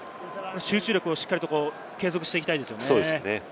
集中力をしっかりと継続していきたいですね。